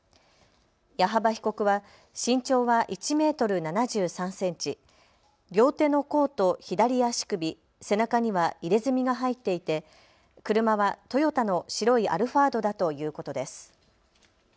矢幅被告は身長は１メートル７３センチ、両手の甲と左足首、背中には入れ墨が入っていて車はトヨタの白いアルファードだということです。